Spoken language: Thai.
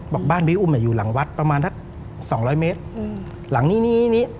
บอกบ้านพี่อุ้มอยู่หลังวัดประมาณสัก๒๐๐เมตรหลังนี้นี้